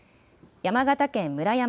山形県村山